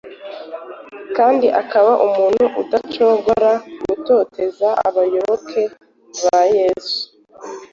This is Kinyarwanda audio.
kandi akaba umuntu udacogora gutoteza abayoboke ba Yesu.